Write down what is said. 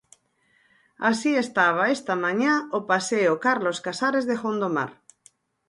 Así estaba esta mañá o paseo Carlos Casares de Gondomar.